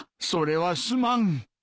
それはすまん。